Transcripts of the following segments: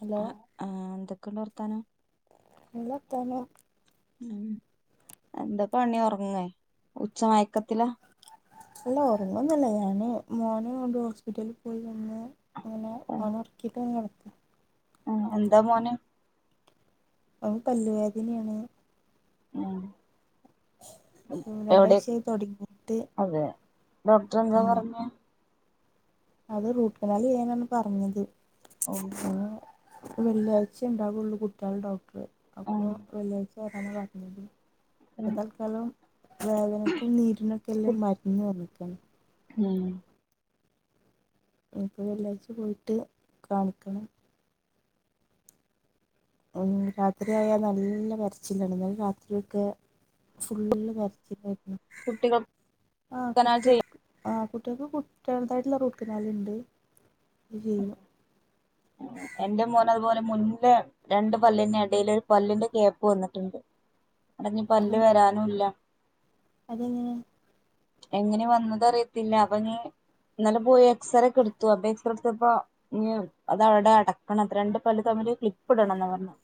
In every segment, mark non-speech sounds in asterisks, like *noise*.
Hello ആഹ് ആഹ് എന്തൊക്കെണ്ട് വർത്താനം? നല്ല വർത്താനം ഉം എന്താ പണി ഉറങ്ങേ ഉച്ച മയക്കത്തിലാ അല്ല ഉറങ്ങൊന്നല്ല ഞാന് മോനെ കൊണ്ടു ഹോസ്പിറ്റലി പോയി വന്ന് ഓനെ ഓനെ ഒർകീട്ടാണ് കട ആഹ് എന്താ മോന് ഓന് പല്ലുവേദനയാണ് ഉം എവിടെ രണ്ടാഴ്ചയായി തുടങ്ങിയിട്ട് അതെ ഡോക്ടറെന്താ ആഹ് പറഞ്ഞെ അത് റൂട്ട് കനാല് ചെയ്യാനാണ് പറഞ്ഞത് ഓഹ് വെള്ളിയാഴ്ചേണ്ടാവുള്ളൂ കുട്ടികളെ ഡോക്ടർ ഉം അപ്പൊ വെള്ളിയാഴ്ച വരാനാണ് പറഞ്ഞത് താൽക്കാലം വേദനക്കും നീരിനൊക്കെള്ളെ മരുന്ന് തന്നിക്ക്ണ് ഉം ഇനിപ്പോ വെള്ളിയാഴ്ച പോയിട്ട് കാണിക്കണം രാത്രി ആയാൽ നല്ല കരച്ചിലാണ് ഇന്നലെ രാത്രിയൊക്കെ ഫുള്ള് കരച്ചിലായിരുന്നു കുട്ടികൾക്കനാ ആഹ് ചെയ്യ കുട്ടികൾക് ആഹ് കുട്ടികൾക്ക് കുട്ടേളതായിട്ടുള്ള റൂട്ട് കനാലിണ്ട് അത് ചെയ്യും എന്റെ മോന് അതുപോലെ മുന്നേ രണ്ട് പല്ലിൻ്റെ എടീൽ ഒരു പല്ലിന്റെ കേപ്പ് വന്നിട്ടുണ്ട് അവിടെഞ്ഞി അത് പല്ല് വരാനുല്ല അതെങ്ങനെ എങ്ങനെ വന്നത് അറിയത്തില്ല അപ്പൊ നി ഇന്നലെ പോയി എക്സറേ ഒക്കെ എടുത്തു അപ്പൊ എക്സറേ എടുത്തപ്പൊ അതവിടെ അടക്കണംത്രേ രണ്ട് പല്ല് തമ്മില് ക്ലിപ്പ് ഇടണംന്ന് പറഞ്ഞു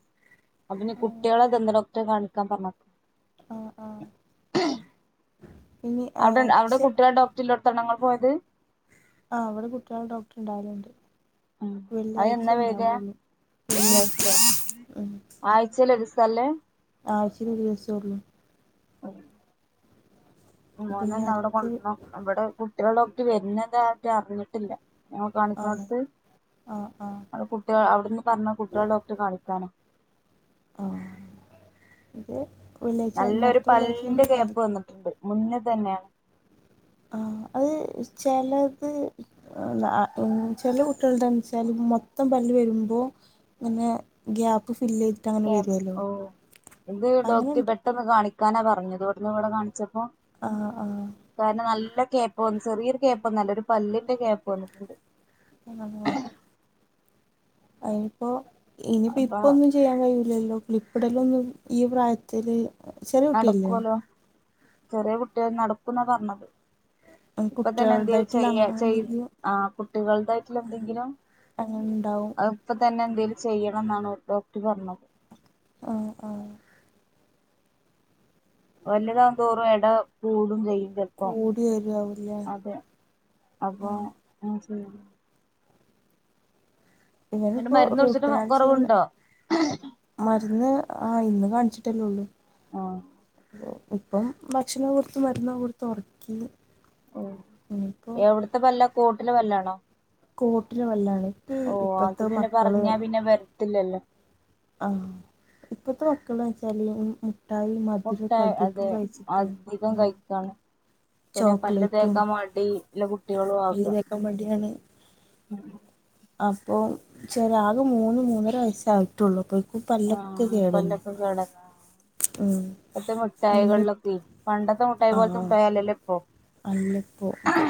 അപ്പൊഞ്ഞി ആ കുട്ടേളെ ദന്ത ഡോക്ടറെ കാണിക്കാൻ പറഞ്ഞു ആ ആ ഇനി അവിടെ അവിടെ ആക്ഷൻ കുട്ടികളെ ഡോക്ടറില്ലോട്ത്താണ്ണോങ്ങള് പോയത് ആഹ് ഇവടെ കുട്ടികളെ ഡോക്ടർണ്ടാവാലുണ്ട് ഉം അത് വെള്ളിയാഴ്ച എന്നാ വരാ ഉണ്ടാവുള്ളൂ വെള്ളിയാഴ്ച *inaudible* ഉം ആഴ്ചേല് ഒര് ദിവസാള്ളേ അയ്ച്ചീല് ഒരുദിവസുള്ളൂ *unintelligible* ഇപ്പൊ ഇനി മോനെന്ന അവിടെ അടുത്ത് കൊണ്ടന്നോക്കണം ഇവിടെ കുട്ടികളെ ഡോക്ടർ വരുന്നതായിട്ട് അറിഞ്ഞിട്ടില്ല ഞമ്മള് ആണ് കാണിക്ക്നോട്‌ത്ത് ആ ആ അവിടെ കുട്ടേ അവിടുന്ന് പറഞ്ഞത് കുട്ടികളെ ഡോക്ടറെ കാണിക്കാന ആഹ് *inaudible* നല്ലൊരു പല്ലിന്റെ ഗ്യാപ്പ് വന്നിട്ടുണ്ട് മുന്നിൽ തന്നെയാണ് ആഹ് അത് ചിലത് ഉം ചെല കുട്ടികളുടെന്ന് വെച്ചാല് മൊത്തം പല്ല് വരുമ്പോ പിന്നെ ഗ്യാപ്പ് ഫില്ല് ചെയ്യും ഓഹ് ഇത് ഡോക്റ്റ് അങ്ങനെണ്ട് പെട്ടെന്ന് കാണിക്കാനാ പറഞ്ഞത് കൊട്ന് ഇവിടെ കാണിച്ചപ്പോ ആഹ് ആഹ് കാരണം നല്ല ഗ്യാപ്പ് വന്ന് ചെറിയൊരു ഗ്യാപ്പ് ഒന്നുംല്ല ഒരു പല്ലിന്റെ ഗ്യാപ്പ് വന്നിട്ടുണ്ട് എൻ്റമ്മോ അയിനിപ്പോ ഇനിയിപ്പം അപ്പൊ ഇപ്പൊന്നും ചെയ്യാൻ കഴില്ലല്ലോ ക്ലിപ്പിടലൊന്നും ഈ പ്രായത്തില് ചെറിയ കുട്ടിയല്ലേ നടക്കുവല്ലോ ചെറിയ കുട്ടിയായി നടക്കൂന്നാ പറഞ്ഞത് ഇപ്പം തന്നെ എന്തേലും കുട്ടികളതായിട്ടുള്ള ചെയ്യ അങ്ങനെ ചെയ് എന്തെങ്കിലും ആ കുട്ടികൾതായിട്ടിള്ള എന്തെങ്കിലും അങ്ങനെ ഉണ്ടാവും അത് ഇപ്പം തന്നെ എന്തേലും ചെയ്യണംന്നാണോ ഡോക്ട്ർ പറഞ്ഞത് ആഹ് ആഹ് വല്ല്യതാവും തോറും എട കൂടും ചെയ്യും ചെൽപ്പം കൂടി വരുവാവൂല്ലേ അതെ അപ്പം ആ *inaudible* ഇങ്ങനിപ്പോ മരുന്ന് റൂട്ട് കുടിച്ചിട്ട് കനാല് ചെയ്യുന്ന കൊറവുണ്ടോ മരുന്ന് ആ ഇന്ന് കാണിച്ചിട്ടല്ലേ ഒള്ളൂ ആഹ് ഇപ്പം ഭക്ഷണം കൊടുത്ത് മരുന്നും കൊടുത്ത് ഒറക്കി ഉം എവിട്ത്ത പല്ലാ കോട്ട്ല പല്ലാണോ കോട്ട്ല പല്ലാണ് ഓ അത് പിന്നെ പറഞ്ഞാ പിന്നെ വരത്തില്ലല്ലോ ആഹ് ഇപ്പത്തെ മക്കള് ന്ന് വെച്ചാല് ഈ ഉം മുട്ടായി മുട്ട മധുരൊക്കെ അധികം കഴിച്ചിട്ടേ ഉം താണ് പിന്നെ പല്ല് ചോക്ലേറ്റും തേക്കാൻ മടി ഇല്ല കുട്ടിയേളും ആക്കാ ക്കാൻ മടിയാണ് അപ്പം ചെലെ ആക മൂന്ന് മൂന്നര വയസ്സായിട്ടുള്ളൂ അപ്പഴ്ക്കും പല്ലൊക്കെ കേടന്ന് കേടന്നോ ഇപ്പത്തെ മുഠായികളിലൊക്കെ പണ്ടത്തെ മു ആഹ് ആ അല്ല് പ്പോ ത്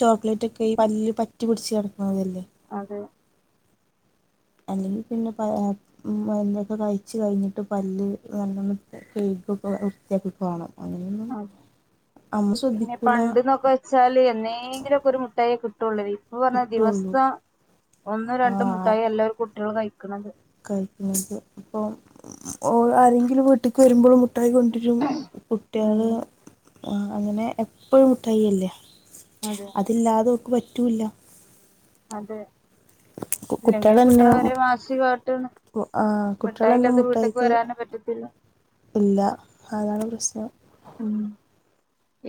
ചോക്ലേറ്റ് ഒക്കെ ഈ പല്ല് പറ്റി പിടിച്ച് കെടക്കണതല്ലേ അതെ അല്ലെങ്കി പിന്നെ പഴം ആത് ഉം മര്ന്നൊക്കെ കഴിച്ച് കഴിഞ്ഞിട്ട് പല്ല് നല്ലോണം കഴുകു ഒക്കെ വേ വൃത്തിയാക്കി പോണം അങ്ങനെയൊന്നും അതെ അമ്മ ശ്രദ്ധിക്കൂല ച്ചാല് എന്നേങ്കിലും ഒക്കെ ഒരു മുട്ടായെ കിട്ടു ഒള്ളേ ഇപ്പം പറഞ്ഞ കിട്ടുള്ളൂ ദിവസം ഒന്നും രണ്ടും ആഹ് മുട്ടായി എല്ലാരെ കുട്ടിയളും കഴിക്ക്ണത് കഴിക്കുന്നത് ഇപ്പം ഓ ആരെങ്കിലും വീട്ടക്ക് വരുമ്പഴും മു ട്ടായിക്കൊണ്ടരും കുട്ടിയാള് ഉം അങ്ങനെ എപ്പഴും മുട്ടായിയല്ലേ അതെ അതില്ലാതെ ഓൽക്ക് പറ്റൂ ഇല്ല അതെ ഇല്ലെങ്കി അഹ് കിട്ടണ വരെ വാശി കാട്ട്ണ് കു ആ കുട്ടിയളന്നെ മുഠായിക്ക് പറ്റത്തില്ല ഇല്ല അതാണ് പ്രശ്നം ഉം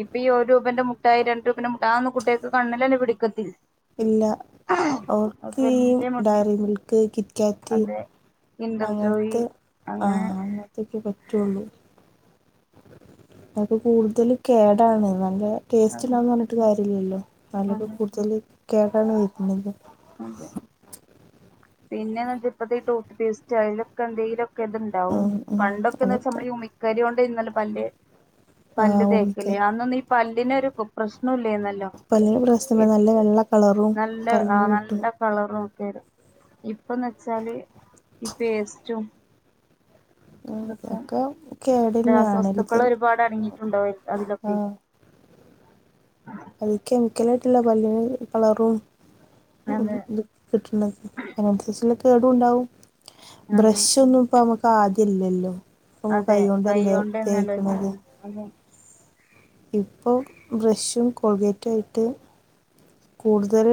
ഇപ്പം ഈ ഒരു രൂപന്റെ മുട്ടായി രണ്ട് രൂപന്റെ മുട്ടാ ആ ഒന്നും കുട്ടിയക്ക് കണ്ണിലന്നെ പിടിക്കത്തി ഇല്ല ഓർക്ക് ഈ വല്യ മു ഡയറി മിൽക്ക് കിറ്റ്കാറ്റ് അതെ കിൻഡർ ജോയി അങ്ങൻത്തെ അങ്ങനെ ആഹ് അങ്ങൻത്തേക്കെ പറ്റുള്ളൂ അതൊക്കെ കൂടുതലും കേടാണ് നല്ലേ ടേസ്റ്റില്ലാന്ന് അതെ പറഞ്ഞിട്ട് കാര്യം ഇല്ലല്ലോ നല്ല ഇപ്പം കൂടുതൽ കേടാണ് കഴിക്കുന്നത് അതെ പിന്നേന്ന് വച്ച ഇപ്പത്തെ ഈ ടൂത്ത് പേസ്റ്റ് ആയാലും ഒക്കെ എന്തേലും ഒക്കെ ഇത്ണ്ടാവും ഉം ഉം പണ്ടൊക്കെന്ന് വെച്ച അതൊക്കെ നമ്മൾ ഈ ഉമിക്കരി കൊണ്ടേയ്ന്നല്ലോ പല്ല് പല്ല് ആഹ് തേക്കല് ഓമിക്കായി അന്നൊന്നും ഈ പല്ലിനൊര് പ് പ്രശ്നും ഇല്ലേന്നല്ലോ പല്ലിന് പ്രശ്നല്ല നല്ല വെള്ള കളറും നല്ല ആ പല്ലിന് കിട്ടും നല്ല കളറും ഒക്കെ ര് ഇപ്പംന്ന് വെച്ചാല് ഈ പേസ്റ്റും ആഹ് ഇതൊക്കെ കേടന്നെയാണ് രാസവസ്തുക്കള് ഇതിൽ ഒരുപാട് അടങ്ങിയിട്ടുണ്ടാവാര് അതിലൊക്കെ ആഹ് അയില് കെമിക്കലായിട്ടുള്ള പല്ലിന് കളറും അതെ ഇതും കിട്ട്ണത് അയിനന്സരിച്ച്ള്ള കേടു ണ്ടാവും അതെ ബ്രഷ് ഒന്നും ഇപ്പ ഞമ്മക്ക് ആദ്യം ഇല്ലല്ലോ പ്പം ഞമ്മള് കൈ അതെ കൊണ്ടല്ലേ കൈകൊണ്ട് തന്നെയല്ലേ വെച്ച് തേക്ക്ണത് അതെ ഇപ്പോ ബ്രഷും കോൾഗേറ്റും ആയിട്ട് കൂടുതൽ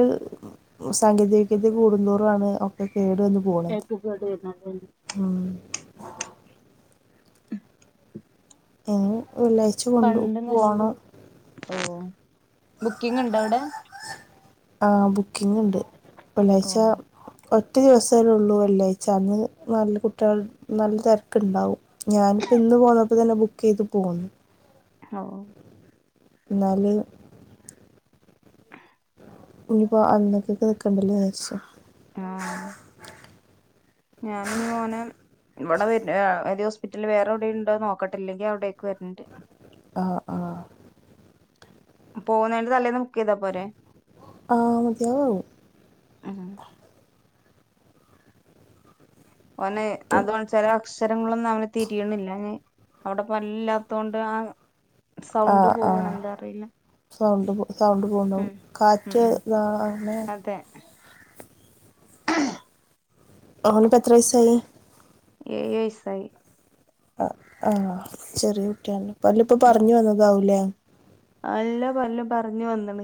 സാങ്കേതിക വിദ്യ കൂടുന്തോറാണ് ഒക്കെ കേടുവന്ന് എഹ് *unintelligible* ആഹ് ഞങ ള്ള്യച് പണ്ട് നഷ് ബുക്കിംഗ് ണ്ടോ അവ്ടെ ആഹ് ബുക്കിംഗ് ണ്ട് ഓ വെള്ളിയാഴ്ച ഒറ്റ ദിവസല്ലേള്ളൂ വെള്ളിയാഴ്ച അന്ന് നൽ കുട്ട്യാ നല്ല തെര്ക്ക്ണ്ടാവും ഞാനിപ്പോ ഇന്ന് പോന്നപ്പോ തന്നെ ബുക്കെയ്ത് പോന്നു ഓഹ് ന്നാല് ഇനിപ്പോ അന്നതേക്ക് ഏക്കണ്ടല്ലോ ചാരിച്ച ആഹ് ഞാനിഞ് മോനെ ഇവിടെ വെ എഹ് ഏതേം ഹോസ്പിറ്റലിൽ വേറെ എവ്ടെണ്ടോന്ന് നോക്കട്ടില്ലെങ്കിൽ അവിടേക്ക് വരണ്ട് ആഹ് ആഹ് പോണേന്റെ തലേന്ന് ബുക്കെയത പോരെ ആഹ് മതിയാവും ഉം ഓൻ പിന്നെ അതാണ് ചെല അക്ഷരങ്ങളൊന്നും അവന് തിരിയണില്ല അ അവിടെ പല്ലില്ലാത്തൊണ്ടാണ് ആഹ് ആഹ് സൗണ്ട് പൊ സൗണ്ട് പോവ്ണ്ടാവും കാറ്റ് താണ് തെ ഓനിപ്പോത്ര വയസ്സായി ഏഴ് വയസ്സായി ആഹ് ആഹ് ചെറിയ കുട്ടി ആണല്ലേ പല്ല് ഇപ്പോ പറഞ്ഞു വന്നതാവൂല്ലേ അല്ല പല്ലും പർഞ് വന്നണ്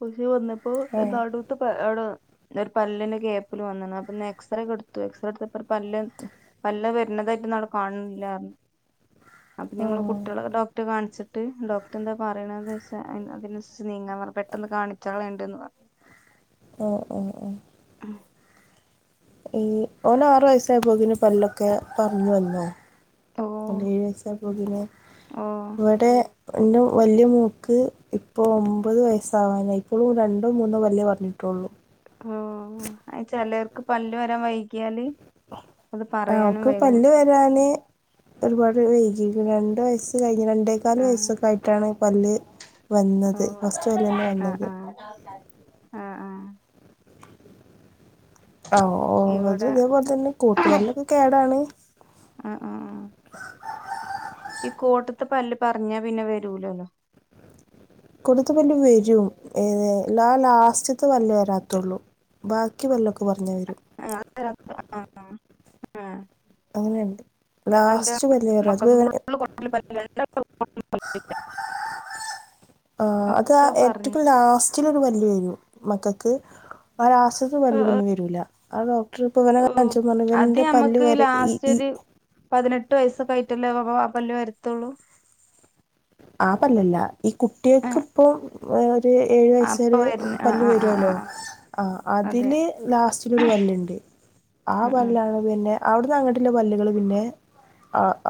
പുത്യേ വന്നപ്പോ എല്ലാടു *unintelligible* ഒന്റരു പല്ലിന് കേപ്പില് വന്നിണ്, അപ്പോ ഇന്ന് എക്സറേ എടുത്തു എക്സറേ എടുത്തപ്പോ ഒരു പല്ല് വല്ല വരുന്നതായിട്ട് നട കാണില്യ അപ്പൊ ആ ഞങ്ങള് കുട്ട്യള ഡോക്ട്ടെ കാണിച്ചിട്ട് ഡോക്ടർ എന്താ പറിണേന്താച്ചാ അതിനുസരിച്ച് നീങ്ങാ പെട്ടെന്ന് കാണിച്ചാളുണ്ട്ന്ന് പ ആഹ് ആഹ് ആഹ് ഉം എഹ് ഓനാറ് വയസ്സായപ്പോത്തിനും പല്ലൊക്കെ പറഞ്ഞു വന്നോ ഓ അല്ലേ എഴ്യസ്സാപൊക്കിന്ന് ഓ വ്ടെ ഇന്റെ വല്യ മോൾക് ഇപ്പോ ഒമ്പത് വയസ്സാവാനായി ഇപ്പോഴും രണ്ടോ മൂന്നോ പല്ലേ പറഞ്ഞിട്ടുള്ളൂ ആഹ് അചെലർക്ക് പല്ല് വരാൻ വൈകിയാല് അത് ആഹ് പറയാനും ഓക് വൈകും പല്ല് വരാ ആന് ഒരുപാട് വായിഗിക്ണ് രണ്ട് വയസ്സ് കഴിഞ്ഞ് രണ്ടെ ക്കാൽ ആ വയസ്സൊക്കെ ആയിട്ടാണ് പല്ല് ഓ വന്നത് ഫസ്റ്റ് പല്ല് തന്നെ വന്നത് *unintelligible* ആ ആഹ് ഇവിടെ ഓളതും തെപോൽതന്നെ കൂട്ടുപല്ലൊക്കെ കേടാണ് ആഹ് ആഹ് ആഹ് ഈ കോട്ട്ത്തെ പല്ല് പറഞ്ഞാ പിന്നെ വരൂലല്ലോ കൊട്ത്ത പല്ല് വരും ഏഹ് ല്ലാ ലാസ്റ്റത്ത് പല്ല് വരാത്തുള്ളു ബാക്കി പല്ലൊക്കെ പറഞ്ഞ വരും ആഹ് *unintelligible* ആഹ് ആഹ് ആഹ് അങ്ങനെണ്ട് ലാസ്റ്റ് വലിയരു അത്പങ്ങനെ *unintelligible* പല്ലില്ല ആഹ് അത് ആ ഒക്കെ പറഞ്ഞു ഏറ്റവും ലാസ്റ്റിലൊരു പല്ലവരും മക്കൾക്ക് ആ ലാസ്റ്റ്ത്ത ആ പല്ല് ആ പിന്നെ വരൂല്ല ആ ഡോക്ടർ ഇപ്പ ഇവനെ ഓ കാണിച്ചപ്പ പർഞ്ഞു അത് ഇവന്റെ ഞമ്മക്ക് പല്ലവരെ ഈ ലാസ്റ്റ് ഈ ഒരു പതിനെട്ട് വയസ്സൊക്കെ ആയിട്ടല്ലേ അപ്പം ആ പല്ല് വരത്തുള്ളൂ ആ പല്ലല്ല ഈ ആ കുട്ട്യേക്ക് ഇപ്പൊ ഒരു ഏഴു വയസ്സ് അപ്പൊ വരെ വരുന്ന ആ പല്ല് ആ ആ ആ വരുവല്ലോ ആ ആഹ് അതെ അതില് ലാസ്റ്റിലൊരു പല്ല്ണ്ട് ആ ഉം ഉം പല്ലാണ് പിന്നെ അവിടന്ന് അങ്ങിട്ടില്ല പല്ലുകള് പിന്നെ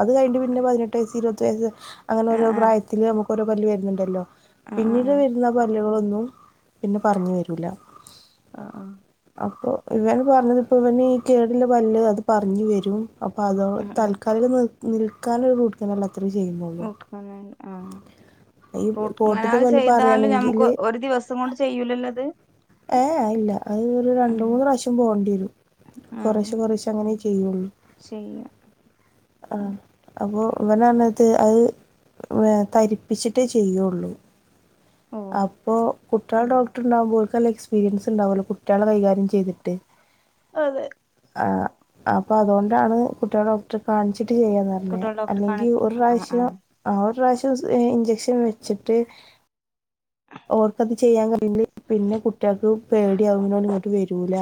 അത് കഴിഞ്ഞിട്ട് പിന്നെ പതിനെട്ട് വയസ്സ് ഇരുപത് വയസ്സ് അങ്ങനെ ആ ഓരോ ആ പ്രായത്തില് നമുക്ക് ഓരോ പല്ല് വരുന്നുണ്ടല്ലോ ആ ആ പിന്നീട് ആ വരുന്ന പല്ലുകളൊന്നും പിന്നെ പറഞ്ഞു വരൂല അഹ് ആഹ് അപ്പൊ ഇവൻ പറഞ്ഞത് ഇപ്പ ഇവന് കേടില്ല പല്ല് അത് പറഞ്ഞു വരും അപ്പൊ അതോ ഉം ഉം തൽക്കാലിക നി നിൽക്കാനൊരു റൂട്ട്കനാല് അത്രേ ചെയ്യുന്നുള്ളൂ ആങ്ങന ആഹ് ഈ കോട്ടത്തെ റൂട്ട്കനാല് പല്ല് ചെയ്താലും പറയുകയാണെങ്കിൽ നമുക്ക് ഒരു ദിവസം കൊണ്ട് ചെയ്യൂലല്ലോ അത് ഏഹ് അഹ് ഇല്ല അത് ഒരു ഉം രണ്ടമൂന്ന് പ്രാവശ്യം പോണ്ടി വരും കൊറേശ്യ കൊറേശ്യ അങ്ങനെ ചെയ്യുള്ളൂ പിന്നെ ആഹ് അപ്പൊ ഇവന അന്നത്ത് അത് തരിപ്പിച്ചിട്ടേ ചെയ്യുള്ളൂ ഓ അപ്പോ കുട്ട്യളെ ഡോക്ടർ ഉണ്ടാവുമ്പോ ഓൽക് നല്ല എക്സ്പീരിയൻസ് ഉണ്ടാവല്ലോ കുട്ട്യളെ കൈകാര്യം ചെയ്തിട്ട് അതെ ആഹ് അപ്പൊ അതോണ്ടാണ് കുട്ട്യളെ ഡോക്ടറെ കാണിച്ചിട്ട് ചെയ്യാന്ന പിന്നെ കുട്ടികളെ ഡോക്ടറെ അല്ലെങ്കിൽ കാണിക്ക ഒരു ആ ആ പ്രാവശ്യം ആ ഒരു പ്രാവശ്യം ഇഞ്ചക്ഷൻ വെച്ചിട്ട് ഓർക്കത് ചെയ്യാൻ കഴിയില്ല പിന്നെ കുട്ട്യേക്ക് പേടിയാവുനോണ്ട് ഇങ്ങട്ട് വരൂല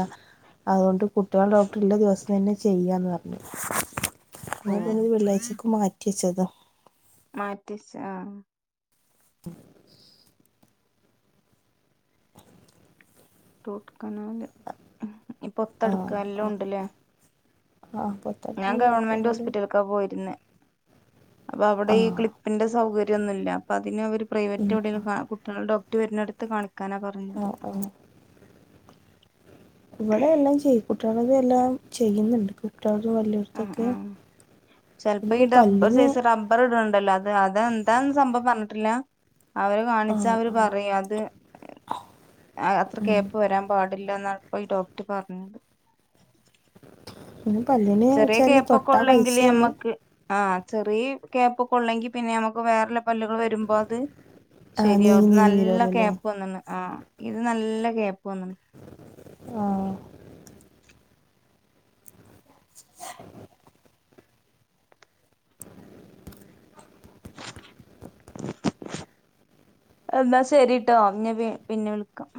അതോണ്ട് കുട്ട്യളെ ഡോക്ടർ ഇല്ല ദിവസം തന്നെ ചെയ്യാന്ന് പർഞ്ഞു ഓ ഞാൻ പിന്നെ വെള്ളിയാഴ്ചക്കെ മാറ്റിച്ചത മാറ്റിച്ച് ആഹ് ഉം റൂട്ട്കനാല് ആഹ് ആഹ് ആ പറി ഞാൻ ഗവൺമന്റ് ഹോസ്പിറ്റൽ ക്കാ പോയിരുന്നെ അപ്പൊ അവിടെ ഈ ആഹ് ക്ലിപ്പിന്റെ സൗകര്യന്നുല്ല അപ്പ അതിനവര് ഉം പ്രൈവറ്റ എവിടെലും ആഹ് കുട്ട്യളെ ഡോക്ടർ വരുന്നടുത്ത് കാണിക്കാനാ പർഞ്ഞത് ആഹ് ആഹ് ഇവിടെ എല്ലാം ചെയ്യും കുട്ട്യളത് എല്ലാം ചെയ്യുന്നുണ്ട് കുട്ട്യളതും വലിയൊരു അഹ് ആഹ് ചെൽപ്പോ ഈ ഡബ്ബ ഒരു പല്ലിന് സൈസ് റ ബ്ബറ് ഇടണ്ടല്ലോ അത് അതെന്താ സംഭവം പർഞ്ഞിട്ടില്ല അവര കാണിച്ചാ ആഹ് അവര് ആഹ് പറയും അത് അത്ര ഉം. കേപ്പ് വരാം പാടില്ല എന്നാണ് ഇപ്പോൊഈ ഡോക്ടർ പർഞ്ഞത് ഇനി പല്ലിന് ചെറിയ വെച്ചാല് കേപ്പൊക്കെ തൊട്ടാ ഉള്ളെങ്കില് പൈസയാണ് നമ്മക്ക് ആഹ് ചെറിയ കേപ്പൊക്കെ ഉള്ളെങ്കിൽ പിന്നെ നമുക്ക് വേറ പല്ലുകൾ വര വരുമ്പോ അത് ആ നീങ്ങി ശരിയാവും നീങ്ങി നല്ല വരുമല്ലോ അല്ലേ കേപ്പ് വന്നാണ് ആ ഇത് നല്ല കേപ്പ്ന്നാണ് ആഹ് *unintelligible* *inaudible* *unintelligible* എന്നാ ശരിട്ടോ ഞ് പിന്നെ വിള്ക്കാം